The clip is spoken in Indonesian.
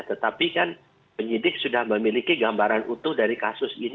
tetapi kan penyidik sudah memiliki gambaran utuh dari kasus ini